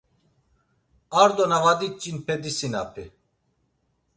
Ar do na vadiç̌inpe disinapi.